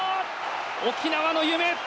沖縄の夢